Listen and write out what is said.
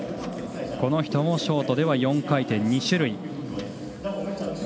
この人もショートでは４回転２種類。